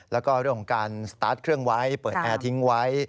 แล้วก็เรื่องของการสตาร์ทเครื่องไว้เปิดแอร์ทิ้งไว้